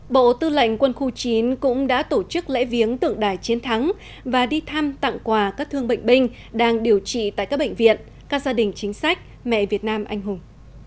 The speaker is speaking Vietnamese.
bộ tư lệnh quân khu chín cũng đã tổ chức lễ viếng tượng đài chiến thắng và đi thăm tặng quà các thương bệnh binh đang điều trị tại các bệnh viện các gia đình chính sách mẹ việt nam anh hùng